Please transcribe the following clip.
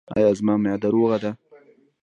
ایا زما معده روغه ده؟